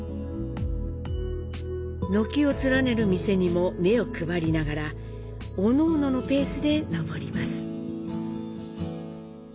軒を連ねる店にも目を配りながらおのおののペースで上ります。